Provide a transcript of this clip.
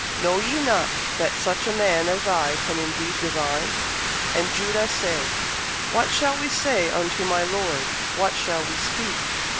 know ye not that such a man as I can indeed divine? And Judah said, What shall we say unto my lord? what shall we speak?